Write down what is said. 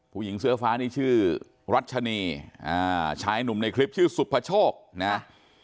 ผู้หญิงเสื้อฟ้านี่ชื่อรัชนีอ่าชายหนุ่มในคลิปชื่อสุภโชคนะ